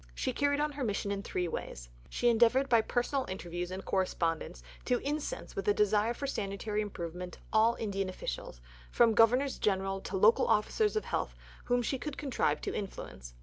She carried on her mission in three ways. She endeavoured by personal interviews and correspondence to incense with a desire for sanitary improvement all Indian officials, from Governors General to local officers of health, whom she could contrive to influence.